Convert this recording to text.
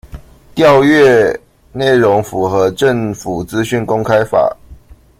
調閱內容符合政府資訊公開法